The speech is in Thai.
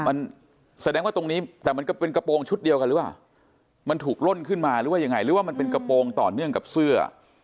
มันแสดงว่าตรงนี้แต่มันก็เป็นกระโปรงชุดเดียวกันหรือเปล่ามันถูกล่นขึ้นมาหรือว่ายังไงหรือว่ามันเป็นกระโปรงต่อเนื่องกับเสื้อ